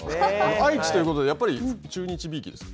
愛知ということで、やっぱり中日びいきですか。